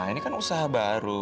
ini kan usaha baru